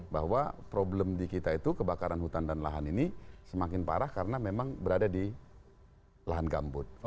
bahwa problem di kita itu kebakaran hutan dan lahan ini semakin parah karena memang berada di lahan gambut